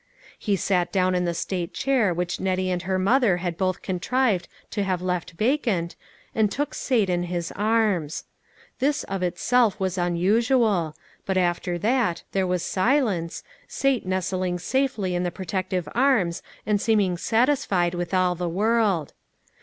He sat down in the state chair which Nettie and her mother had both contrived to have left vacant, and took Sate in his arms. This of itself was unusual, but after that, there was silence, Sate nestling safely in the protective arms and seeming satisfied with all the world.